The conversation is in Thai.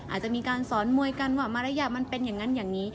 อาจจะมีการสอนมวยกันว่ามารยาทมันเป็นอย่างนั้นอย่างนี้